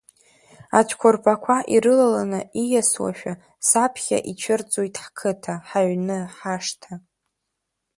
Ацәқәырԥақәа ирылаланы ииасуашәа, саԥхьа ицәырҵуеит ҳқыҭа, ҳаҩны, ҳашҭа.